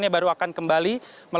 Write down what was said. ini baru akan kembali